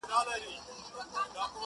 ما مي خوبونه تر فالبینه پوري نه دي وړي،